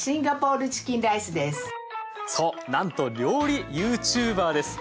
そうなんと料理ユーチューバーです。